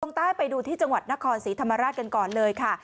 ใต้ไปดูที่จังหวัดนครศรีธรรมราชกันก่อนเลยค่ะ